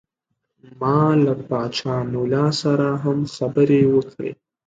ما له پاچا ملا سره هم خبرې وکړې.